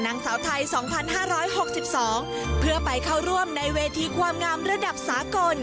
นางสาวไทย๒๕๖๒เพื่อไปเข้าร่วมในเวทีความงามระดับสากล